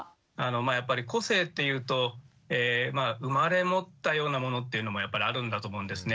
やっぱり個性っていうとまあ生まれ持ったようなものっていうのもやっぱりあるんだと思うんですね。